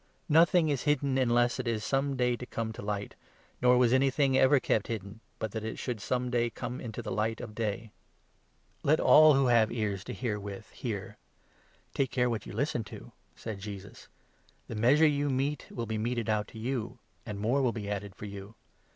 Nothing is hidden unless it is some day to comevto 22 light, nor was anything ever kept hidden but that it should 12 Isa. 6. 10. 12 MARK, 4 5. some day come into the light of day. Let all who have 23 ears to hear with hear. Take care what you listen to," said 24 Jesus. "The measure you mete will be meted out to you, and more will be added for you.